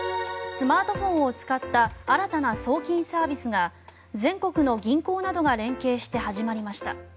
スマートフォンを使った新たな送金サービスが全国の銀行などが連携して始まりました。